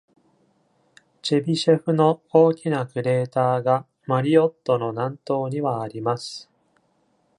チェビシェフの大きなクレーターがマリオットの南東にはあります。